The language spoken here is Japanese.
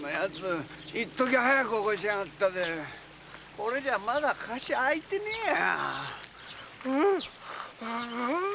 これじゃまだ河岸開いてねえや。